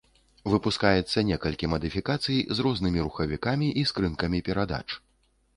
Выпускаецца некалькі мадыфікацый з рознымі рухавікамі і скрынкамі перадач.